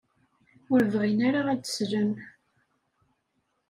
Ur bɣin ara ad d-slen.